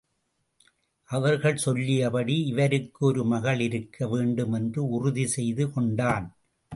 அவர்கள் சொல்லியபடி இவருக்கு ஒருமகள் இருக்க வேண்டும் என்று உறுதி செய்து கொண்டான்.